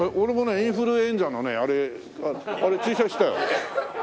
インフルエンザのねあれ注射したよ。